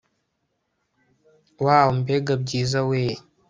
wooow mbega byiza weee